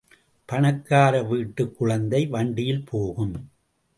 பணக்கார வீட்டுக் குழந்தை வண்டியில் போகும்.